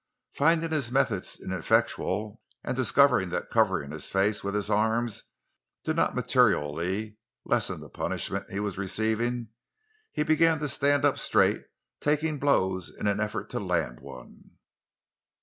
Finding his methods ineffectual, and discovering that covering his face with his arms did not materially lessen the punishment he was receiving, he began to stand up straight, taking blows in an effort to land one.